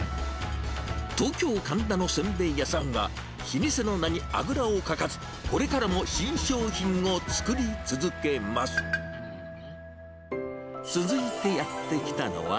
東京・神田のせんべい屋さんは、老舗の名にあぐらをかかず、これからも新商品を作り続けます。